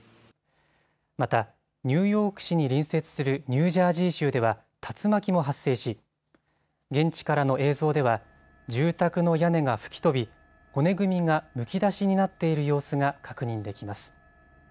また、ニューヨーク市に隣接するニュージャージー州では竜巻も発生し現地からの映像では住宅の屋根が吹き飛び、骨組みがむき出しになっている様子が確認できます。